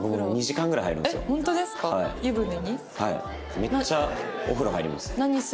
めっちゃお風呂入ります。